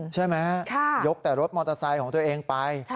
ใช่ไหมยกแต่รถมอเตอร์ไซค์ของตัวเองไป